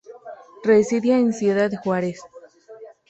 Residía en Ciudad Juárez.